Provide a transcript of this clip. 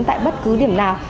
tại bất cứ điểm nào